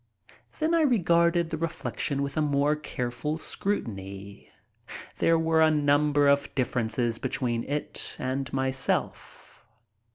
Then I regarded the reflection with a more careful scrutiny. There were a number of differences between it and myself.